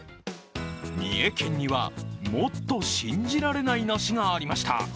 三重県には、もっと信じられない梨がありました。